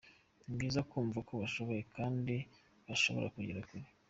Ni byiza kumva ko bashoboye kandi bashobora kugera kure.